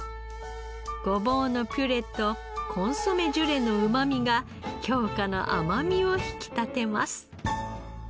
ごぼうのピューレとコンソメジュレのうまみが京香の甘みを引き立てます。